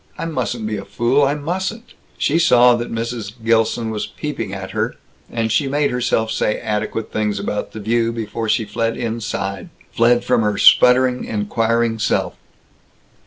I mustn't be a fool! I mustn't!" She saw that Mrs. Gilson was peeping at her, and she made herself say adequate things about the View before she fled inside fled from her sputtering inquiring self.